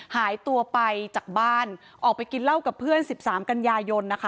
หายตัวไปจากบ้านออกไปกินเหล้ากับเพื่อน๑๓กันยายนนะคะ